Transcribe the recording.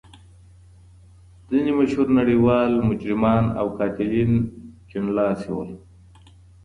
ځینې مشهور نړیوال مجرمان او قاتلین کیڼ لاسي ول.